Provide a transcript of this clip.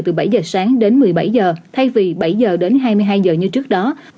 từ bảy h sáng đến một mươi bảy h thay vì bảy h đến hai mươi hai h như trước đó